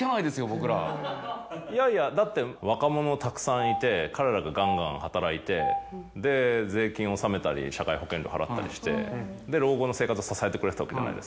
いやいやだって若者たくさんいて彼らがガンガン働いて税金を納めたり社会保険払ったりして老後の生活を支えてくれてたわけじゃないですか。